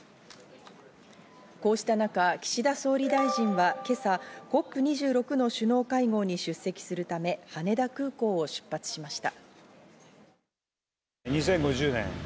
こうした中、岸田総理大臣は今朝、ＣＯＰ２６の首脳会合に出席するため羽田空港を出発しました。